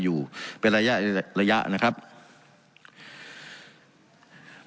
การปรับปรุงทางพื้นฐานสนามบิน